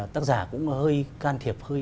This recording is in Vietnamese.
tác giả cũng hơi can thiệp